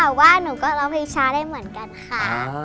แต่ว่าหนูก็ร้องเพลงช้าได้เหมือนกันค่ะ